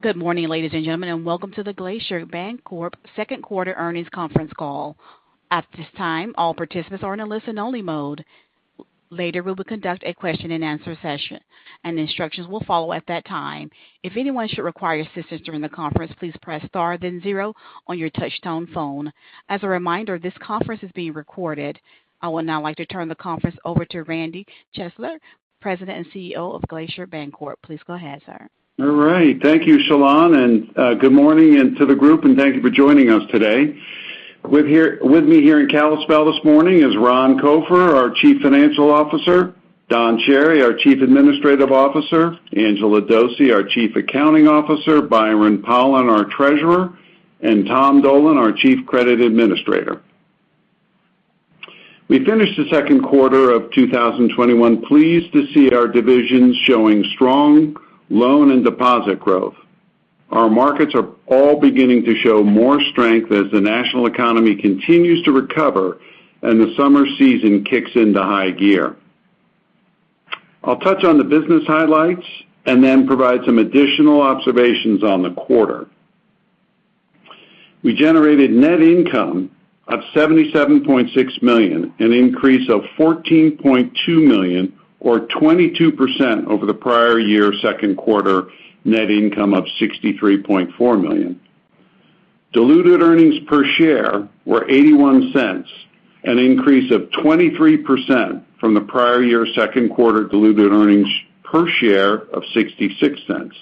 Good morning, ladies and gentlemen, and welcome to the Glacier Bancorp second quarter earnings conference call. I would now like to turn the conference over to Randy Chesler, President and CEO of Glacier Bancorp. Please go ahead, sir. All right. Thank you, ShaLonda, and good morning to the group, and thank you for joining us today. With me here in Kalispell this morning is Ron Copher, our Chief Financial Officer, Don Chery, our Chief Administrative Officer, Angela Dose, our Chief Accounting Officer, Byron Pollan, our Treasurer, and Tom Dolan, our Chief Credit Administrator. We finished the second quarter of 2021 pleased to see our divisions showing strong loan and deposit growth. Our markets are all beginning to show more strength as the national economy continues to recover and the summer season kicks into high gear. I'll touch on the business highlights and then provide some additional observations on the quarter. We generated net income of $77.6 million, an increase of $14.2 million or 22% over the prior year second quarter net income of $63.4 million. Diluted earnings per share were $0.81, an increase of 23% from the prior year second quarter diluted earnings per share of $0.66.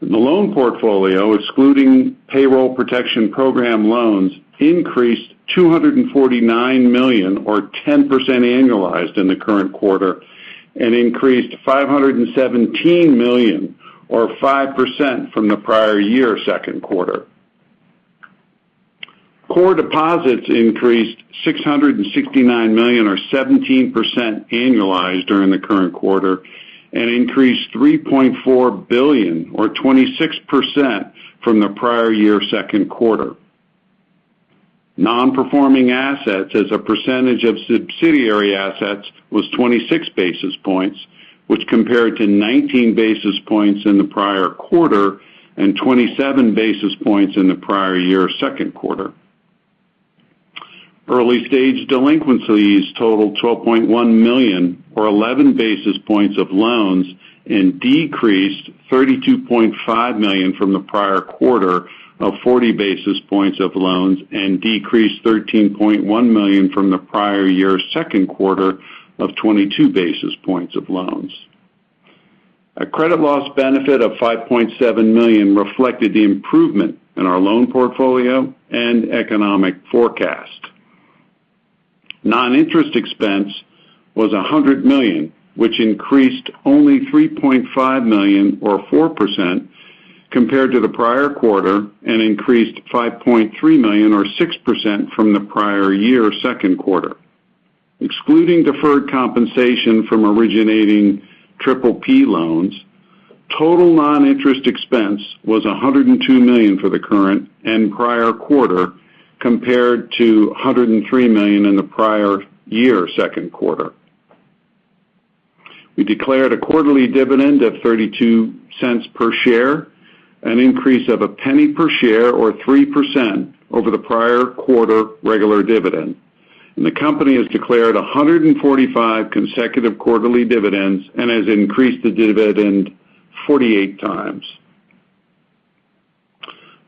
The loan portfolio, excluding Paycheck Protection Program loans, increased $249 million or 10% annualized in the current quarter and increased $517 million or 5% from the prior year second quarter. Core deposits increased $669 million or 17% annualized during the current quarter and increased $3.4 billion or 26% from the prior year second quarter. Non-performing assets as a percentage of subsidiary assets was 26 basis points, which compared to 19 basis points in the prior quarter and 27 basis points in the prior year second quarter. Early-stage delinquencies totaled $12.1 million or 11 basis points of loans and decreased $32.5 million from the prior quarter of 40 basis points of loans and decreased $13.1 million from the prior year second quarter of 22 basis points of loans. A credit loss benefit of $5.7 million reflected the improvement in our loan portfolio and economic forecast. Non-interest expense was $100 million, which increased only $3.5 million or 4% compared to the prior quarter and increased $5.3 million or 6% from the prior year second quarter. Excluding deferred compensation from originating PPP loans, total non-interest expense was $102 million for the current and prior quarter, compared to $103 million in the prior year second quarter. We declared a quarterly dividend of $0.32 per share, an increase of $0.01 per share or 3% over the prior quarter regular dividend. The company has declared 145 consecutive quarterly dividends and has increased the dividend 48 times.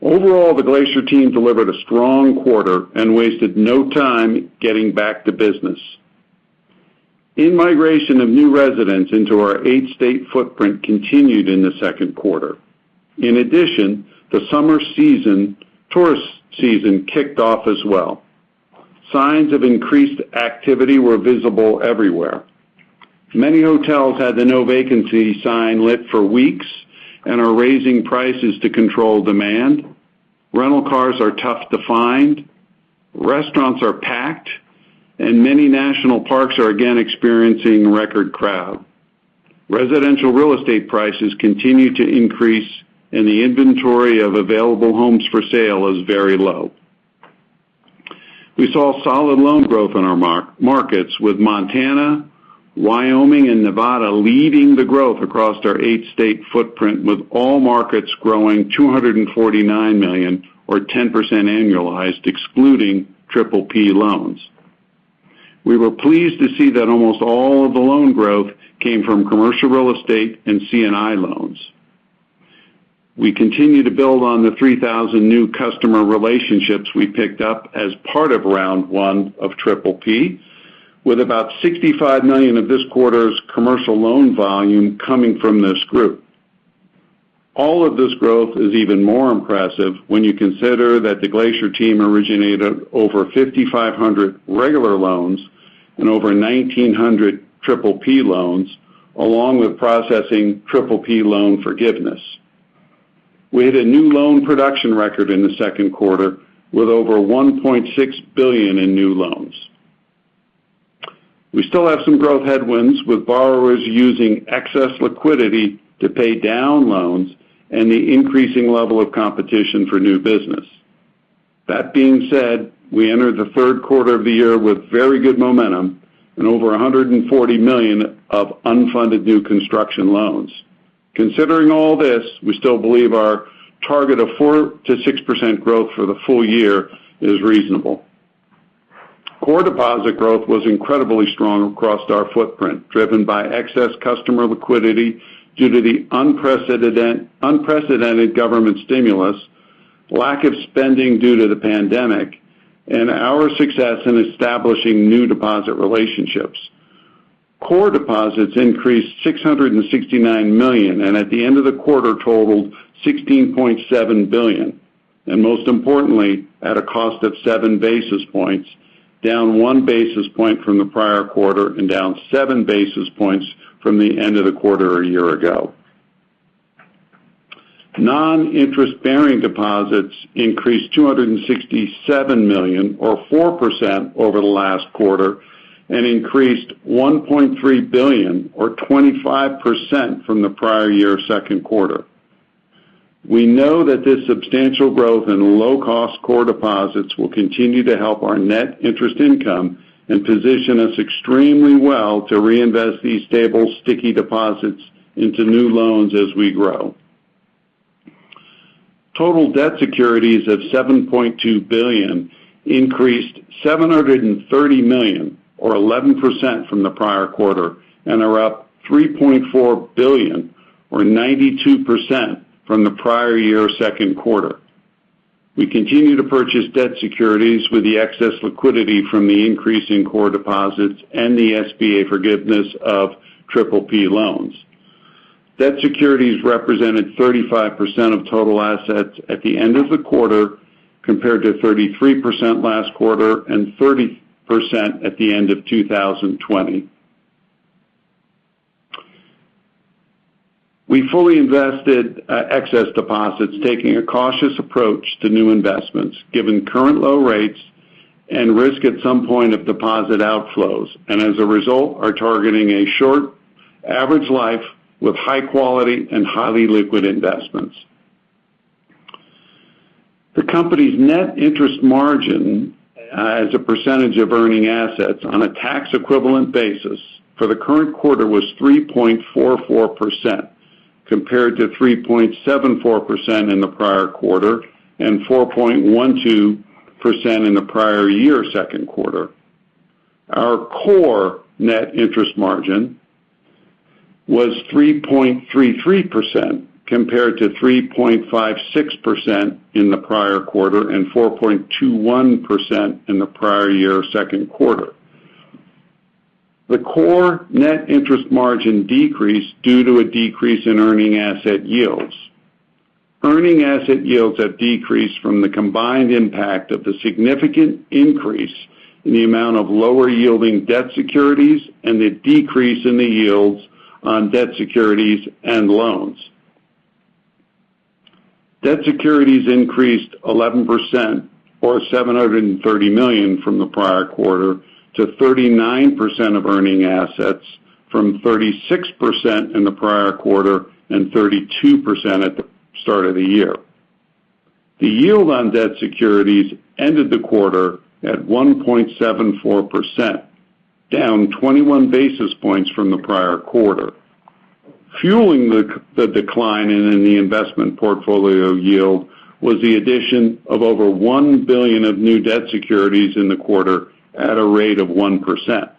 Overall, the Glacier team delivered a strong quarter and wasted no time getting back to business. In-migration of new residents into our eight-state footprint continued in the second quarter. In addition, the summer tourist season kicked off as well. Signs of increased activity were visible everywhere. Many hotels had the no vacancy sign lit for weeks and are raising prices to control demand. Rental cars are tough to find, restaurants are packed, and many national parks are again experiencing record crowds. Residential real estate prices continue to increase, and the inventory of available homes for sale is very low. We saw solid loan growth in our markets, with Montana, Wyoming, and Nevada leading the growth across our eight-state footprint, with all markets growing $249 million or 10% annualized, excluding PPP loans. We were pleased to see that almost all of the loan growth came from commercial real estate and C&I loans. We continue to build on the 3,000 new customer relationships we picked up as part of round one of PPP, with about $65 million of this quarter's commercial loan volume coming from this group. All of this growth is even more impressive when you consider that the Glacier team originated over 5,500 regular loans and over 1,900 PPP loans, along with processing PPP loan forgiveness. We had a new loan production record in the second quarter with over $1.6 billion in new loans. We still have some growth headwinds with borrowers using excess liquidity to pay down loans and the increasing level of competition for new business. That being said, we entered the third quarter of the year with very good momentum and over $140 million of unfunded new construction loans. Considering all this, we still believe our target of 4%-6% growth for the full year is reasonable. Core deposit growth was incredibly strong across our footprint, driven by excess customer liquidity due to the unprecedented government stimulus, lack of spending due to the pandemic, and our success in establishing new deposit relationships. Core deposits increased $669 million, and at the end of the quarter totaled $16.7 billion, and most importantly, at a cost of 7 basis points, down 1 basis point from the prior quarter and down 7 basis points from the end of the quarter a year ago. Non-interest-bearing deposits increased $267 million or 4% over the last quarter and increased $1.3 billion or 25% from the prior year second quarter. We know that this substantial growth in low-cost core deposits will continue to help our net interest income and position us extremely well to reinvest these stable, sticky deposits into new loans as we grow. Total debt securities of $7.2 billion increased $730 million or 11% from the prior quarter and are up $3.4 billion or 92% from the prior year second quarter. We continue to purchase debt securities with the excess liquidity from the increase in core deposits and the SBA forgiveness of PPP loans. Debt securities represented 35% of total assets at the end of the quarter, compared to 33% last quarter and 30% at the end of 2020. We fully invested excess deposits, taking a cautious approach to new investments, given current low rates and risk at some point of deposit outflows, and as a result, are targeting a short average life with high quality and highly liquid investments. The company's net interest margin as a percentage of earning assets on a tax-equivalent basis for the current quarter was 3.44%, compared to 3.74% in the prior quarter and 4.12% in the prior year second quarter. Our core net interest margin was 3.33%, compared to 3.56% in the prior quarter and 4.21% in the prior year second quarter. The core net interest margin decreased due to a decrease in earning asset yields. Earning asset yields have decreased from the combined impact of the significant increase in the amount of lower-yielding debt securities and the decrease in the yields on debt securities and loans. Debt securities increased 11% or $730 million from the prior quarter to 39% of earning assets from 36% in the prior quarter and 32% at the start of the year. The yield on debt securities ended the quarter at 1.74%, down 21 basis points from the prior quarter. Fueling the decline in the investment portfolio yield was the addition of over $1 billion of new debt securities in the quarter at a rate of 1%.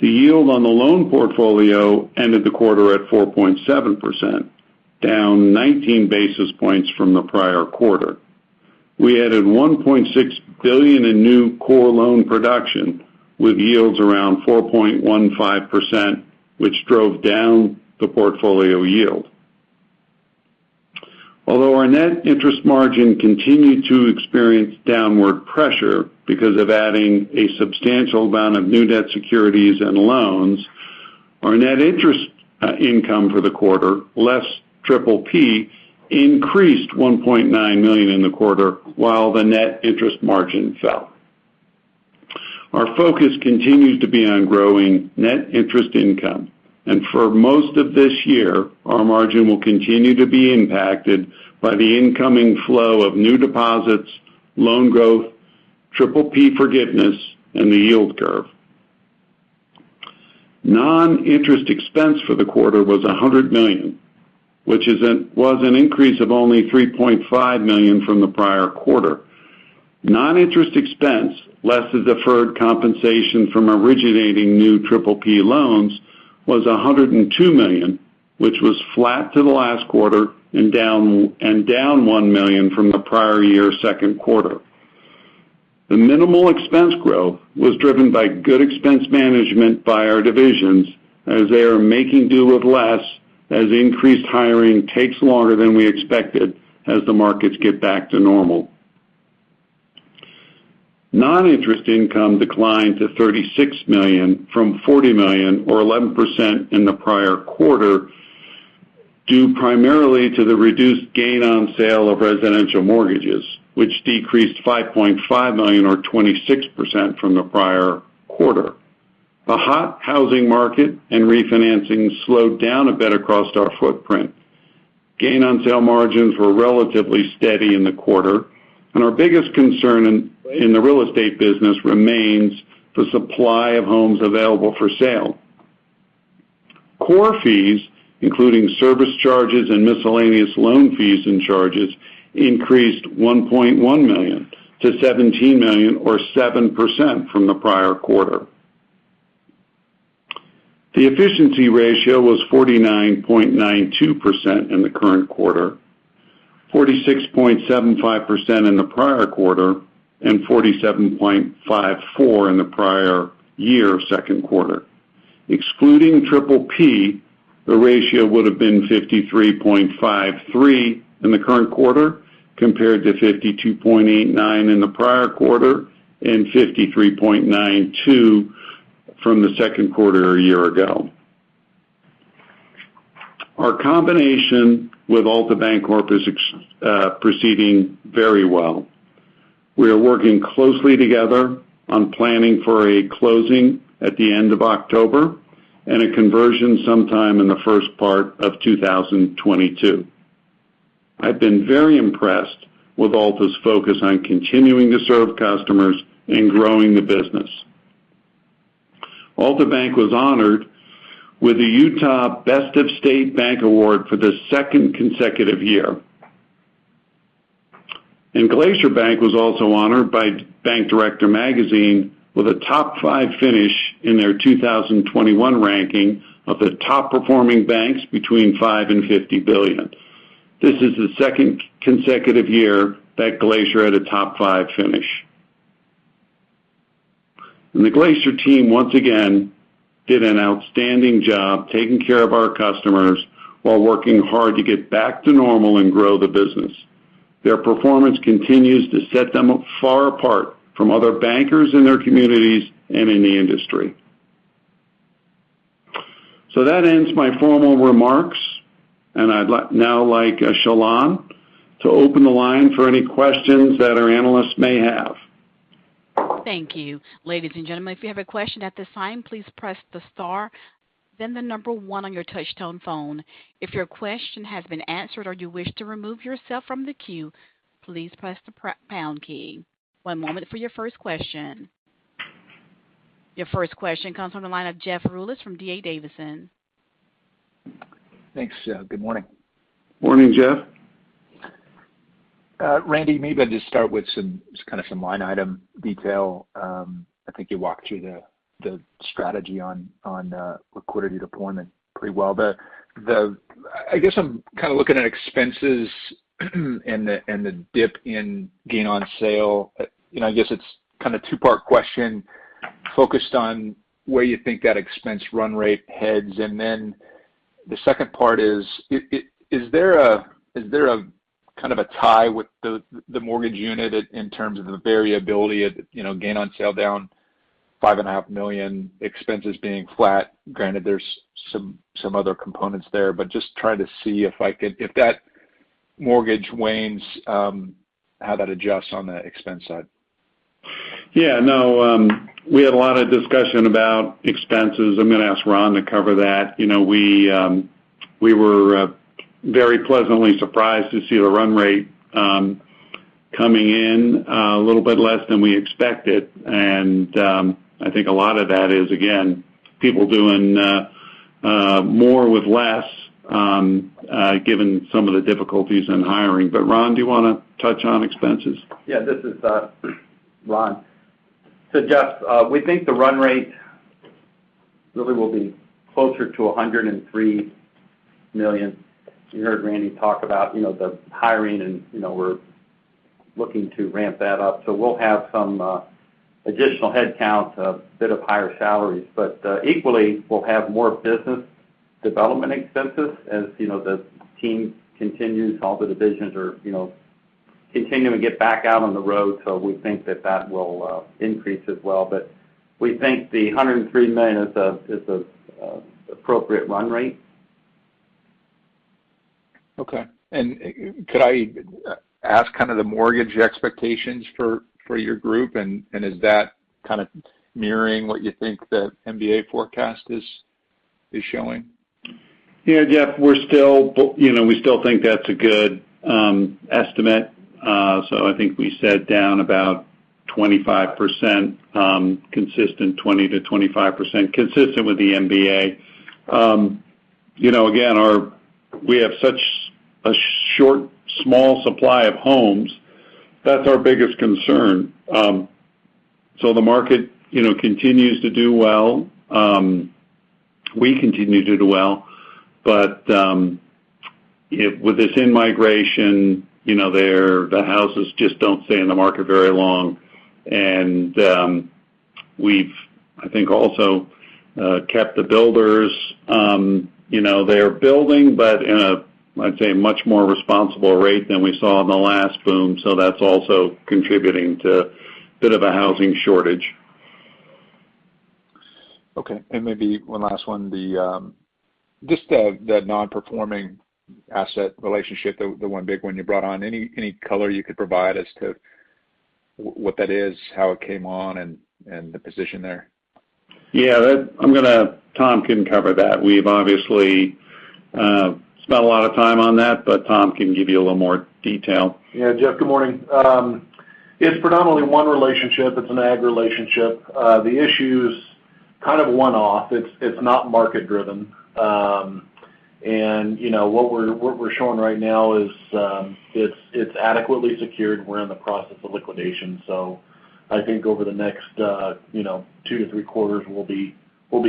The yield on the loan portfolio ended the quarter at 4.7%, down 19 basis points from the prior quarter. We added $1.6 billion in new core loan production with yields around 4.15%, which drove down the portfolio yield. Although our net interest margin continued to experience downward pressure because of adding a substantial amount of new debt securities and loans, our net interest income for the quarter, less PPP, increased $1.9 million in the quarter while the net interest margin fell. Our focus continues to be on growing net interest income. For most of this year, our margin will continue to be impacted by the incoming flow of new deposits, loan growth, PPP forgiveness, and the yield curve. Non-interest expense for the quarter was $100 million, which was an increase of only $3.5 million from the prior quarter. Non-interest expense, less the deferred compensation from originating new PPP loans, was $102 million, which was flat to the last quarter and down $1 million from the prior year second quarter. The minimal expense growth was driven by good expense management by our divisions as they are making do with less as increased hiring takes longer than we expected as the markets get back to normal. Non-interest income declined to $36 million from $40 million or 11% in the prior quarter, due primarily to the reduced gain on sale of residential mortgages, which decreased $5.5 million or 26% from the prior quarter. The hot housing market and refinancing slowed down a bit across our footprint. Gain-on-sale margins were relatively steady in the quarter, and our biggest concern in the real estate business remains the supply of homes available for sale. Core fees, including service charges and miscellaneous loan fees and charges, increased $1.1 million to $17 million or 7% from the prior quarter. The efficiency ratio was 49.92% in the current quarter, 46.75% in the prior quarter, and 47.54% in the prior year second quarter. Excluding PPP, the ratio would've been 53.53% in the current quarter, compared to 52.89% in the prior quarter, and 53.92% from the second quarter a year ago. Our combination with Altabancorp is proceeding very well. We are working closely together on planning for a closing at the end of October, and a conversion sometime in the first part of 2022. I've been very impressed with Alta's focus on continuing to serve customers and growing the business. Altabank was honored with the Utah Best of State Award for the second consecutive year. Glacier Bank was also honored by Bank Director magazine with a top five finish in their 2021 ranking of the top-performing banks between $5 billion and $50 billion. This is the second consecutive year that Glacier had a top five finish. The Glacier team, once again, did an outstanding job taking care of our customers while working hard to get back to normal and grow the business. Their performance continues to set them far apart from other bankers in their communities and in the industry. That ends my formal remarks, and I'd now like ShaLonda to open the line for any questions that our analysts may have. Thank you. Ladies and gentlemen, if you have a question at this time, please press the star, then the number one on your touch-tone phone. If your question has been answered or you wish to remove yourself from the queue, please press the pound key. One moment for your first question. Your first question comes from the line of Jeff Rulis from D.A. Davidson. Thanks. Good morning. Morning, Jeff. Randy, maybe I'll just start with just kind of some line-item detail. I think you walked through the strategy on liquidity deployment pretty well. I guess I'm kind of looking at expenses and the dip in gain on sale. I guess it's kind of a two-part question focused on where you think that expense run rate heads. The second part is there a kind of a tie with the mortgage unit in terms of the variability of gain on sale down $5.5 million, expenses being flat? Granted, there's some other components there. Just trying to see if that mortgage wanes, how that adjusts on the expense side. Yeah. No, we had a lot of discussion about expenses. I'm going to ask Ron to cover that. We were very pleasantly surprised to see the run rate coming in a little bit less than we expected. I think a lot of that is, again, people doing more with less, given some of the difficulties in hiring. Ron, do you want to touch on expenses? Yeah. This is Ron Copher. Jeff Rulis, we think the run rate really will be closer to $103 million. You heard Randy Chesler talk about the hiring and we're looking to ramp that up. We'll have some additional headcounts, a bit of higher salaries. Equally, we'll have more business development expenses as the team continues, all the divisions are continuing to get back out on the road. We think that that will increase as well. We think the $103 million is the appropriate run rate. Okay. Could I ask kind of the mortgage expectations for your group, and is that kind of mirroring what you think the MBA forecast is showing? Yeah, Jeff, we still think that's a good estimate. I think we said down about 25%, consistent 20%-25%, consistent with the MBA. Again, we have such a short, small supply of homes. That's our biggest concern. The market continues to do well. We continue to do well. With this in-migration, the houses just don't stay on the market very long. We've, I think, also kept the builders. They're building, but in a, I'd say, much more responsible rate than we saw in the last boom. That's also contributing to a bit of a housing shortage. Okay. Maybe one last one. Just the non-performing asset relationship, the one big one you brought on. Any color you could provide as to what that is, how it came on, and the position there? Yeah. Tom Dolan can cover that. We've obviously spent a lot of time on that, but Tom Dolan can give you a little more detail. Yeah. Jeff Rulis, good morning. It's predominantly one relationship. It's an ag relationship. The issue's kind of one-off. It's not market driven. What we're showing right now is it's adequately secured. We're in the process of liquidation. I think over the next two to three quarters, we'll be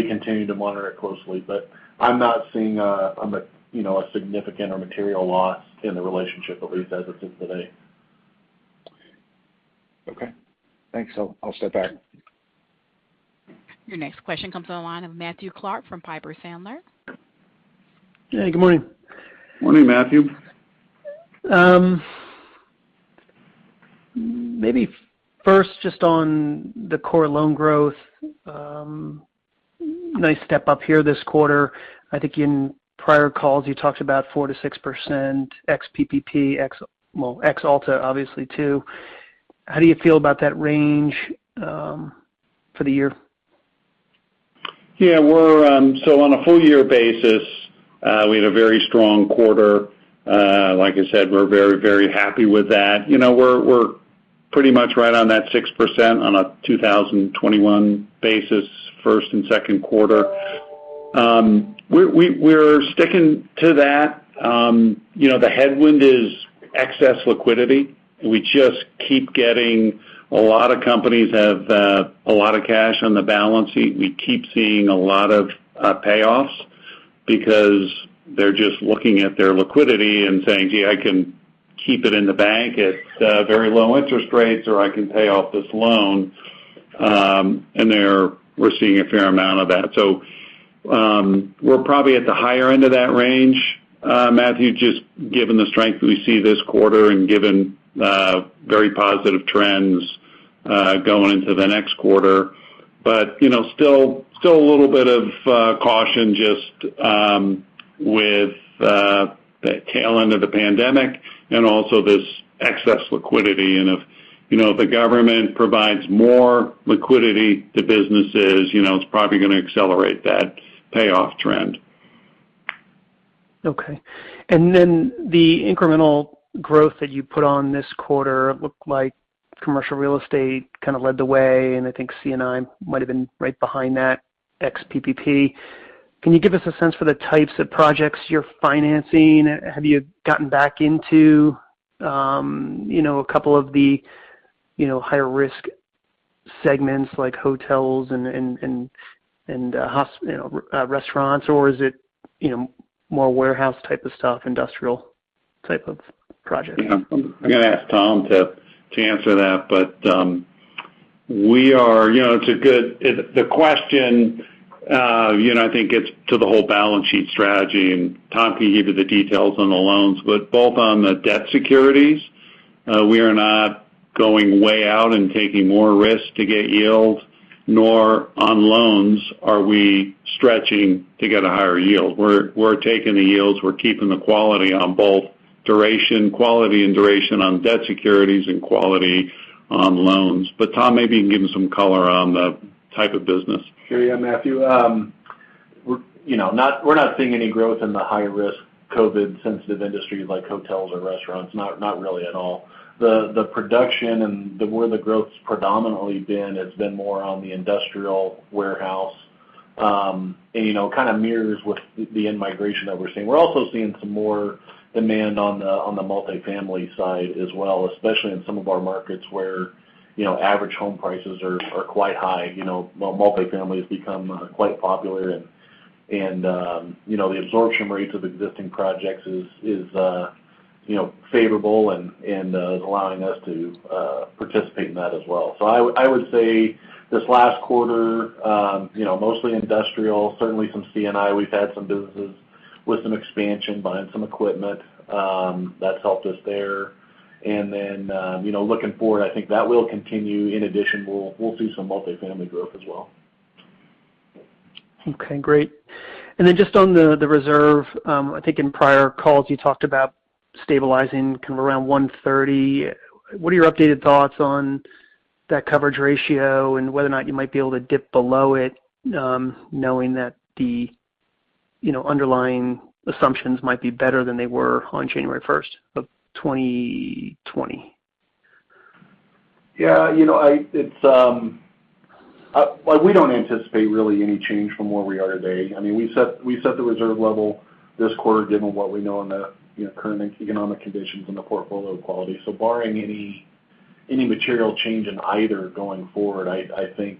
continuing to monitor it closely. I'm not seeing a significant or material loss in the relationship, at least as it sits today. Okay, thanks. I'll step back. Your next question comes on the line of Matthew Clark from Piper Sandler. Hey, good morning. Morning, Matthew. Maybe first, just on the core loan growth. Nice step up here this quarter. I think in prior calls you talked about 4%-6% ex-PPP, ex Well, ex Alta, obviously, too. How do you feel about that range for the year? Yeah. On a full-year basis, we had a very strong quarter. Like I said, we're very happy with that. We're pretty much right on that 6% on a 2021 basis, first and second quarter. We're sticking to that. The headwind is excess liquidity. We just keep getting a lot of companies have a lot of cash on the balance sheet. We keep seeing a lot of payoffs because they're just looking at their liquidity and saying, "Gee, I can keep it in the bank at very low interest rates, or I can pay off this loan." We're seeing a fair amount of that. We're probably at the higher end of that range, Matthew, just given the strength we see this quarter and given very positive trends going into the next quarter. Still a little bit of caution just with the tail end of the pandemic and also this excess liquidity. If the government provides more liquidity to businesses, it's probably going to accelerate that payoff trend. Okay. The incremental growth that you put on this quarter looked like commercial real estate kind of led the way, and I think C&I might've been right behind that, ex-PPP. Can you give us a sense for the types of projects you're financing? Have you gotten back into a couple of the higher-risk segments like hotels and restaurants, or is it more warehouse type of stuff, industrial type of project? Yeah. I'm going to ask Tom to answer that. The question, I think, gets to the whole balance sheet strategy, and Tom can give you the details on the loans. Both on the debt securities, we are not going way out and taking more risk to get yield, nor on loans are we stretching to get a higher yield. We're taking the yields. We're keeping the quality on both duration, quality and duration on debt securities and quality on loans. Tom maybe can give you some color on the type of business. Sure, yeah, Matthew. We're not seeing any growth in the high-risk COVID-sensitive industries like hotels or restaurants. Not really at all. The production and where the growth's predominantly been has been more on the industrial warehouse, and kind of mirrors with the in-migration that we're seeing. We're also seeing some more demand on the multifamily side as well, especially in some of our markets where average home prices are quite high. Multifamily has become quite popular and the absorption rates of existing projects is favorable and is allowing us to participate in that as well. I would say this last quarter, mostly industrial, certainly some C&I. We've had some businesses with some expansion, buying some equipment. That's helped us there. Looking forward, I think that will continue. In addition, we'll see some multifamily growth as well. Okay, great. Just on the reserve, I think in prior calls you talked about stabilizing kind of around 130. What are your updated thoughts on that coverage ratio and whether or not you might be able to dip below it knowing that the underlying assumptions might be better than they were on January 1st of 2020? Yeah. We don't anticipate really any change from where we are today. We set the reserve level this quarter given what we know in the current economic conditions and the portfolio quality. Barring any material change in either going forward, I think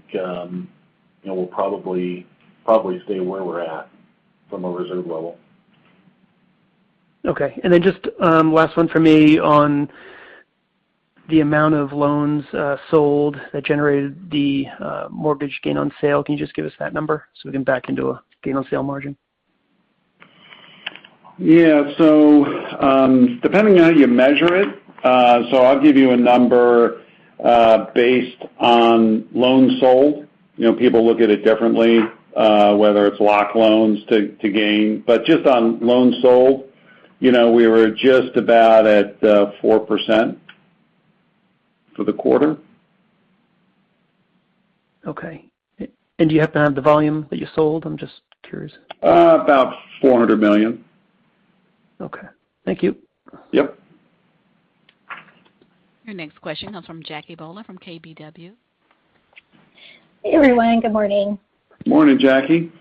we'll probably stay where we're at from a reserve level. Okay. Just last one for me on the amount of loans sold that generated the mortgage gain on sale. Can you just give us that number so we can back into a gain on sale margin? Yeah. Depending on how you measure it, so I'll give you a number based on loans sold. People look at it differently, whether it's locked loans to gain. Just on loans sold, we were just about at 4% for the quarter. Okay. Do you happen to have the volume that you sold? I'm just curious. About $400 million. Okay. Thank you. Yep. Your next question comes from Jackie Bohlen from KBW. Hey, everyone. Good morning. Morning, Jackie.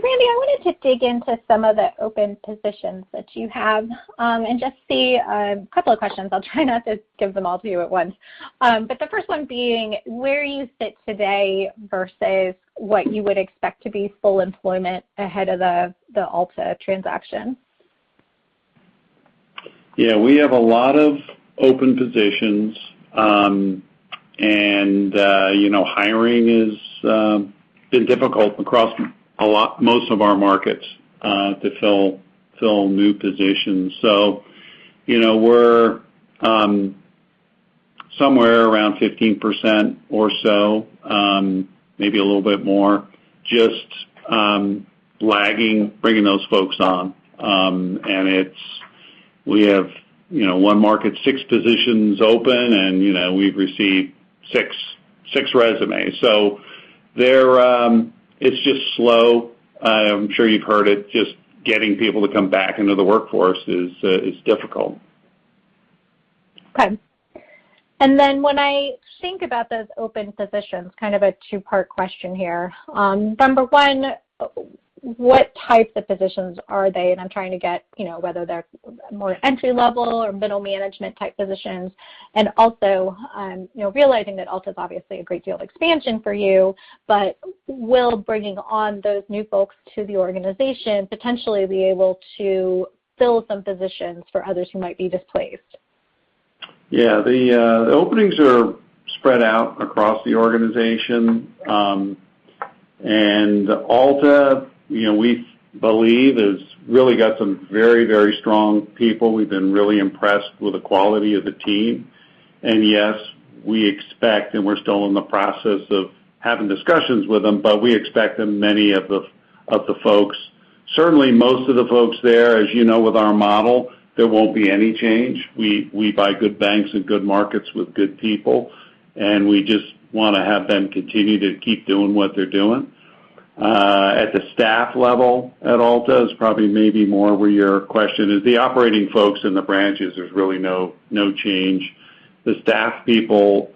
Randy, I wanted to dig into some of the open positions that you have and just see a couple of questions. I'll try not to give them all to you at once. The first one being where you sit today versus what you would expect to be full employment ahead of the Alta transaction. Yeah. We have a lot of open positions. Hiring has been difficult across most of our markets to fill new positions. We're somewhere around 15% or so, maybe a little bit more, just lagging bringing those folks on. We have one market, six positions open, and we've received six resumes. It's just slow. I'm sure you've heard it, just getting people to come back into the workforce is difficult. Okay. When I think about those open positions, kind of a two-part question here. Number one, what types of positions are they? I'm trying to get whether they're more entry-level or middle management type positions. Also, realizing that Alta is obviously a great deal of expansion for you, but will bringing on those new folks to the organization potentially be able to fill some positions for others who might be displaced? Yeah. The openings are spread out across the organization. Alta, we believe, has really got some very strong people. We've been really impressed with the quality of the team. Yes, we expect, and we're still in the process of having discussions with them, but we expect that many of the folks, certainly most of the folks there, as you know with our model, there won't be any change. We buy good banks and good markets with good people, and we just want to have them continue to keep doing what they're doing. At the staff level at Alta is probably maybe more where your question is. The operating folks in the branches, there's really no change. The staff people,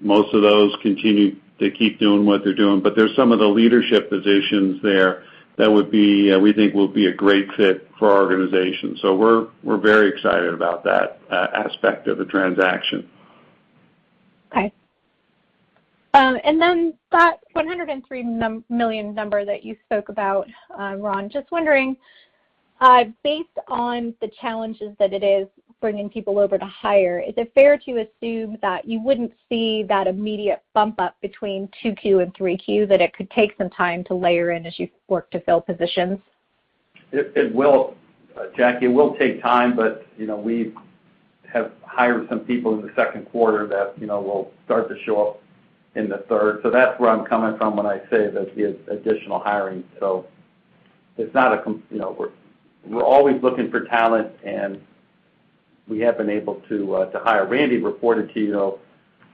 most of those continue to keep doing what they're doing. There's some of the leadership positions there that we think will be a great fit for our organization. We're very excited about that aspect of the transaction. Okay. That $103 million number that you spoke about, Ron, just wondering, based on the challenges that it is bringing people over to hire, is it fair to assume that you wouldn't see that immediate bump up between 2Q and 3Q, that it could take some time to layer in as you work to fill positions? It will, Jackie. It will take time, but we have hired some people in the second quarter that will start to show up in the third. That is where I am coming from when I say that the additional hiring. We are always looking for talent, and we have been able to hire. Randy reported to you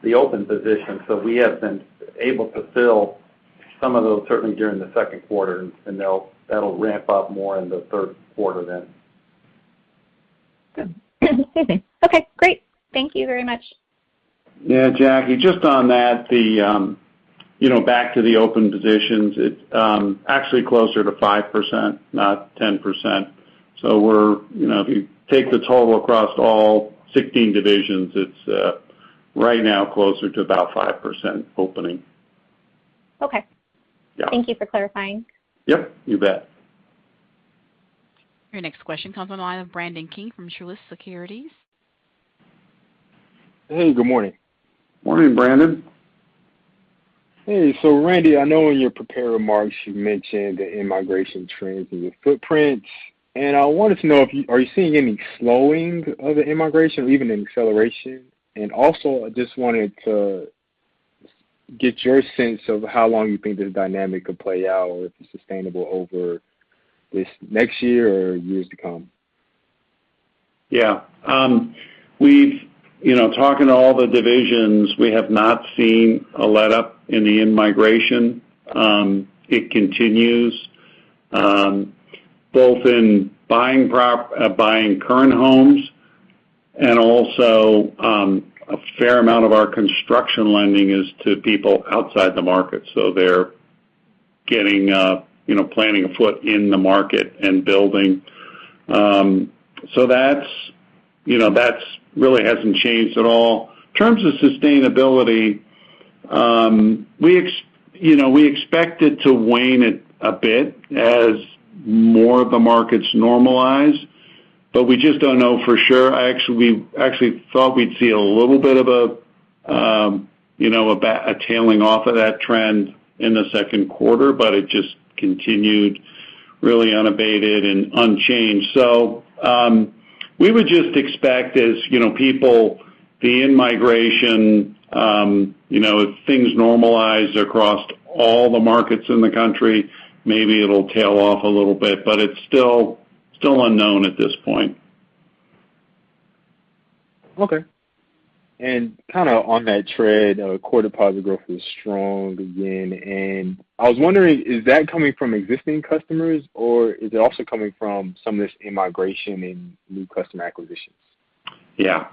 the open positions. We have been able to fill some of those, certainly during the second quarter, and that will ramp up more in the third quarter then. Good. Excuse me. Okay, great. Thank you very much. Yeah, Jackie, just on that, back to the open positions, it's actually closer to 5%, not 10%. If you take the total across all 16 divisions, it's right now closer to about 5% opening. Okay. Yeah. Thank you for clarifying. Yep, you bet. Your next question comes on the line of Brandon King from Truist Securities. Hey, good morning. Morning, Brandon. Hey. Randy, I know in your prepared remarks, you mentioned the in-migration trends and the footprints. I wanted to know, are you seeing any slowing of the in-migration or even an acceleration? Also, I just wanted to get your sense of how long you think the dynamic could play out, or if it's sustainable over this next year or years to come? Yeah. Talking to all the divisions, we have not seen a letup in the in-migration. It continues both in buying current homes and also a fair amount of our construction lending is to people outside the market. They're planning a foot in the market and building. That really hasn't changed at all. In terms of sustainability, we expect it to wane a bit as more of the markets normalize. But we just don't know for sure. We actually thought we'd see a little bit of a tailing off of that trend in the second quarter, but it just continued really unabated and unchanged. We would just expect as people, the in-migration, if things normalize across all the markets in the country, maybe it'll tail off a little bit. It's still unknown at this point. Okay. Kind of on that trend, core deposit growth was strong again. I was wondering, is that coming from existing customers, or is it also coming from some of this in-migration and new customer acquisitions? Yeah.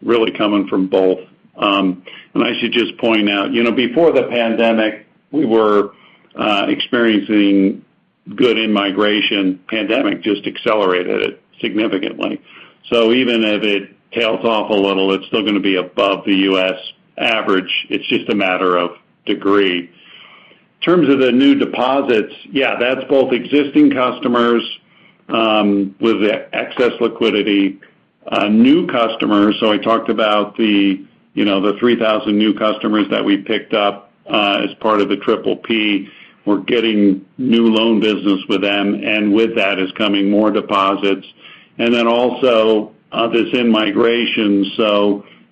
Really coming from both. I should just point out, before the pandemic, we were experiencing good in-migration. Pandemic just accelerated it significantly. Even if it tails off a little, it's still going to be above the U.S. average. It's just a matter of degree. In terms of the new deposits, yeah, that's both existing customers with excess liquidity. New customers, I talked about the 3,000 new customers that we picked up as part of the PPP. We're getting new loan business with them, with that is coming more deposits. Then also this in-migration.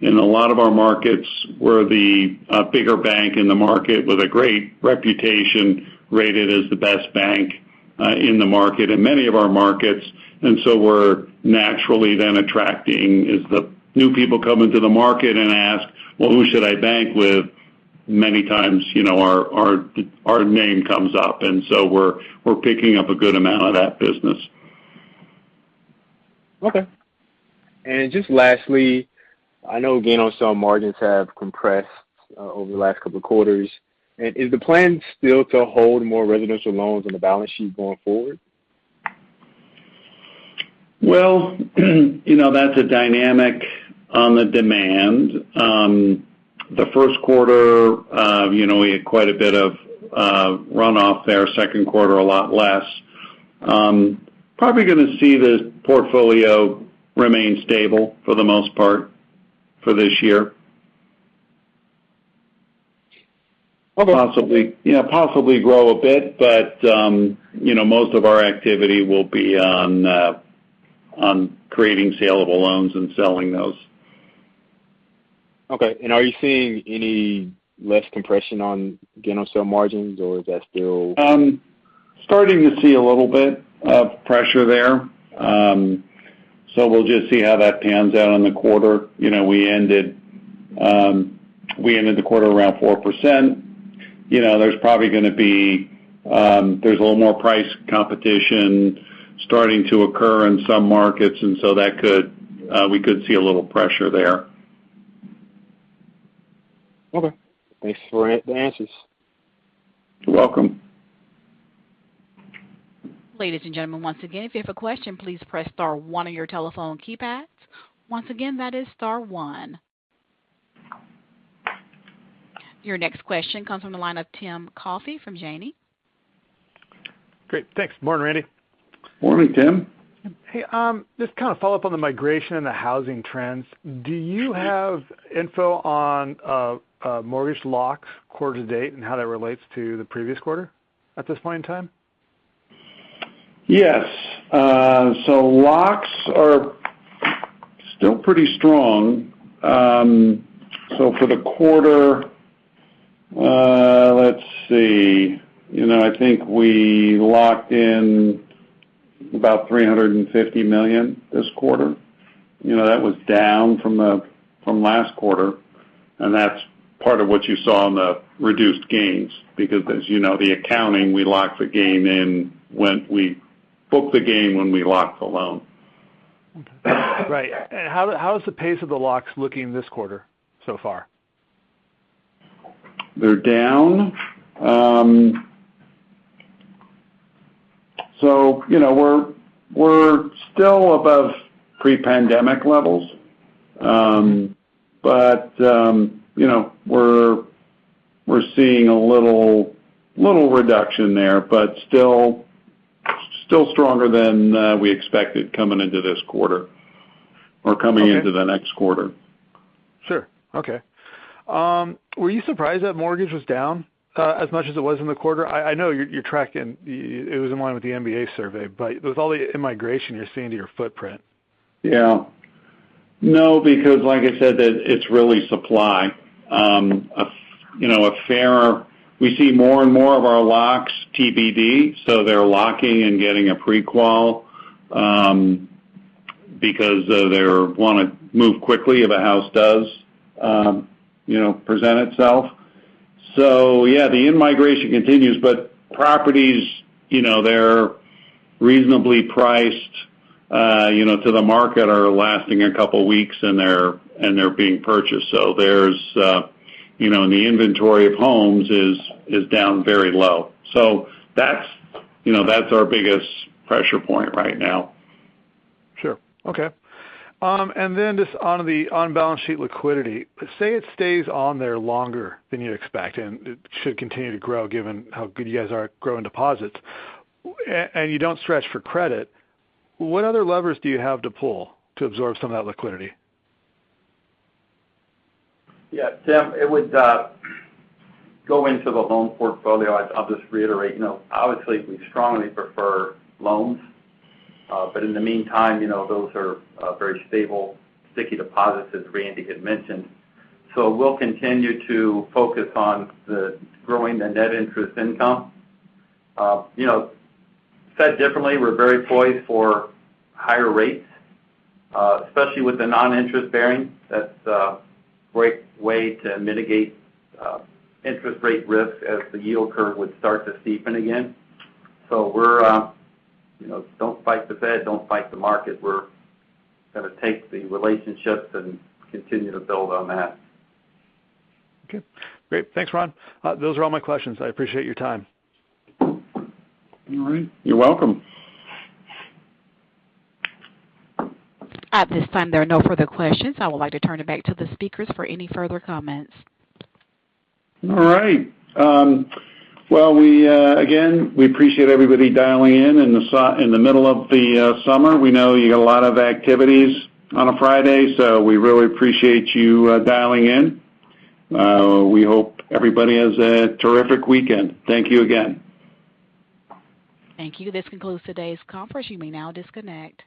In a lot of our markets, we're the bigger bank in the market with a great reputation, rated as the best bank in the market in many of our markets. We're naturally then attracting, as the new people come into the market and ask, "Well, who should I bank with?" Many times, our name comes up. We're picking up a good amount of that business. Okay. Just lastly, I know gain on sale margins have compressed over the last couple of quarters. Is the plan still to hold more residential loans on the balance sheet going forward? Well, that's a dynamic on the demand. The first quarter, we had quite a bit of runoff there. Second quarter, a lot less. Probably going to see the portfolio remain stable for the most part for this year. Okay. Possibly grow a bit. Most of our activity will be on creating saleable loans and selling those. Okay. Are you seeing any less compression on gain on sale margins, or is that? Starting to see a little bit of pressure there. We'll just see how that pans out on the quarter. We ended the quarter around 4%. There's a little more price competition starting to occur in some markets, and so we could see a little pressure there. Okay. Thanks for the answers. You're welcome. Ladies and gentlemen, once again, if you have a question, please press star one on your telephone keypads. Once again, that is star one. Your next question comes from the line of Timothy Coffey from Janney. Great, thanks. Morning, Randy. Morning, Tim. Hey, just to kind of follow up on the migration and the housing trends. Do you have info on mortgage locks quarter to date and how that relates to the previous quarter at this point in time? Yes. Locks are still pretty strong. For the quarter, let's see. I think we locked in about $350 million this quarter. That was down from last quarter, and that's part of what you saw on the reduced gains because as you know, the accounting, we lock the gain in when we book the gain when we lock the loan. Okay. Right. How is the pace of the locks looking this quarter so far? They're down. We're still above pre-pandemic levels. We're seeing a little reduction there, but still stronger than we expected coming into this quarter. Okay. Coming into the next quarter. Sure. Okay. Were you surprised that mortgage was down as much as it was in the quarter? I know it was in line with the MBA survey, but with all the in-migration you're seeing to your footprint. Yeah. No, because like I said, it's really supply. We see more and more of our locks TBD, so they're locking and getting a pre-qual because they want to move quickly if a house does present itself. Yeah, the in-migration continues, but properties, they're reasonably priced to the market, are lasting a couple of weeks, and they're being purchased. The inventory of homes is down very low. That's our biggest pressure point right now. Sure. Okay. Just on the on-balance sheet liquidity, say it stays on there longer than you expect, and it should continue to grow given how good you guys are at growing deposits, and you don't stretch for credit. What other levers do you have to pull to absorb some of that liquidity? Tim, it would go into the loan portfolio. I'll just reiterate. Obviously, we strongly prefer loans. In the meantime, those are very stable, sticky deposits, as Randy had mentioned. We'll continue to focus on growing the net interest income. Said differently, we're very poised for higher rates, especially with the non-interest bearing. That's a great way to mitigate interest rate risk as the yield curve would start to steepen again. Don't fight the Fed, don't fight the market. We're going to take the relationships and continue to build on that. Okay, great. Thanks, Ron. Those are all my questions. I appreciate your time. All right. You're welcome. At this time, there are no further questions. I would like to turn it back to the speakers for any further comments. All right. Well, again, we appreciate everybody dialing in in the middle of the summer. We know you got a lot of activities on a Friday, so we really appreciate you dialing in. We hope everybody has a terrific weekend. Thank you again. Thank you. This concludes today's conference. You may now disconnect.